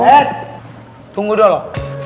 eh tunggu dulu